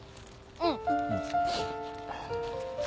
うん！